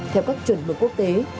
theo các chuẩn lực quốc tế